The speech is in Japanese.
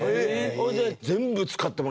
それで。